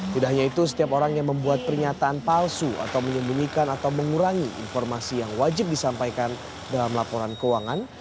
tidak hanya itu setiap orang yang membuat pernyataan palsu atau menyembunyikan atau mengurangi informasi yang wajib disampaikan dalam laporan keuangan